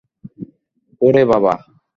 ওরে বাবা!